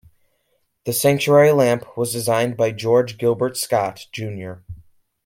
The sanctuary lamp was designed by George Gilbert Scott, Junior.